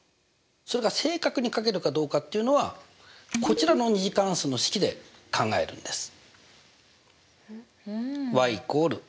それが正確にかけるかどうかっていうのはこちらの２次関数の式で考えるんです。